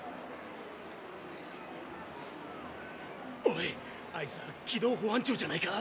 ⁉おいあいつら軌道保安庁じゃないか？